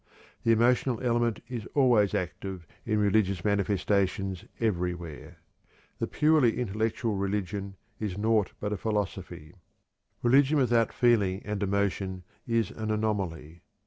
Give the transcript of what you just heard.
The emotional element is always active in religious manifestations everywhere. The purely intellectual religion is naught but a philosophy. Religion without feeling and emotion is an anomaly.